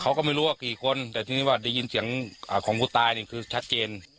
เขาก็ไม่รู้ว่ากี่คนแต่ทีนี้ว่าได้ยินเสียงของผู้ตายเนี่ยคือชัดเจน